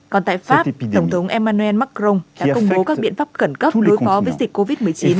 còn tại pháp tổng thống emmanuel macron đã công bố các biện pháp khẩn cấp đối phó với dịch covid một mươi chín